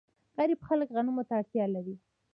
غریب خلک غنمو ته اړتیا لري.